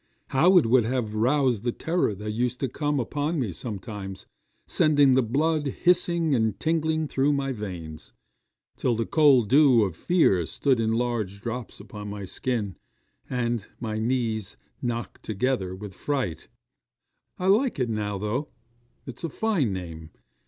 How it would have roused the terror that used to come upon me sometimes, sending the blood hissing and tingling through my veins, till the cold dew of fear stood in large drops upon my skin, and my knees knocked together with fright! I like it now though. It's a fine name.